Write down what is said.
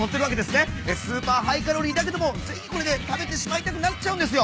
スーパーハイカロリーだけどもついこれね食べてしまいたくなっちゃうんですよ。